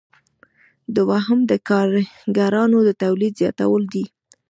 دوهم د کاریګرانو د تولید زیاتول دي.